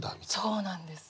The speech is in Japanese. そうなんです。